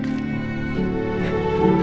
mbak catherine kita mau ke rumah